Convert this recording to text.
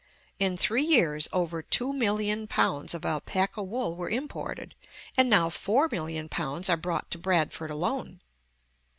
In three years over two million pounds of alpaca wool were imported, and now four million pounds are brought to Bradford alone.